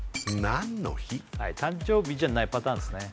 誕生日じゃないパターンですね